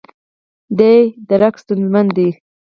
دې درک ستونزمن دی.